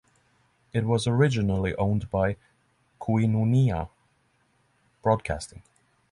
It was originally owned by Koinonia Broadcasting.